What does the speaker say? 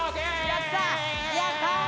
やった！